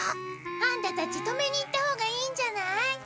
アンタたち止めに行った方がいいんじゃない？